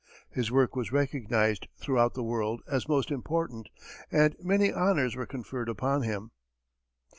His work was recognized throughout the world as most important, and many honors were conferred upon him.